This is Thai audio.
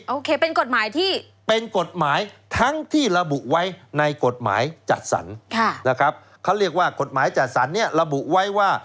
โอเคเป็นกฎหมายที่เป็นกฎหมายทั้งที่ระบุไว้ในกฎหมายจัดสรรนะครับเขาเรียกว่ากฎหมายจัดสรรเนี่ยระบุไว้ว่า